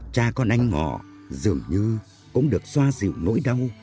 cha con anh ngọ dường như cũng được xoa dịu nỗi đau